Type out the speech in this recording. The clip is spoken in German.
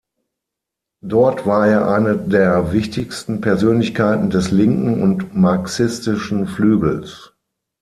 Dort war er eine der wichtigsten Persönlichkeiten des linken und marxistischen Flügels.